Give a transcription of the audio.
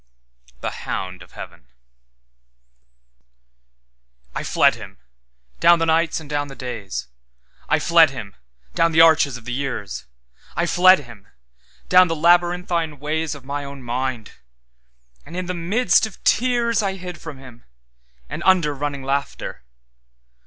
The Hound of Heaven I FLED Him, down the nights and down the days;I fled Him, down the arches of the years;I fled Him, down the labyrinthine waysOf my own mind; and in the mist of tearsI hid from Him, and under running laughter.